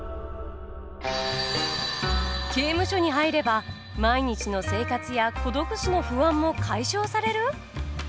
刑務所に入れば毎日の生活や孤独死の不安も解消される！？